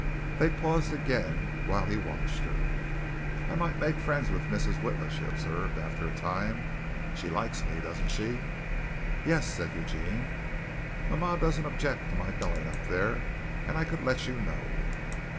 They paused again while he watched her. "I might make friends with Mrs. Witla," she observed, after a time. "She likes me, doesn't she?" "Yes," said Eugene. "Mama doesn't object to my going up there, and I could let you know."